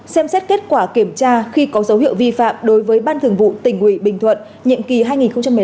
xem xét kết quả kiểm tra khi có dấu hiệu vi phạm đối với ban thường vụ tỉnh ủy bình thuận nhiệm kỳ hai nghìn một mươi năm hai nghìn hai mươi